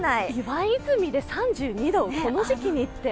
岩泉で３２度、この時期にって。